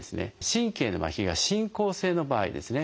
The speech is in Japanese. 神経のまひが進行性の場合ですね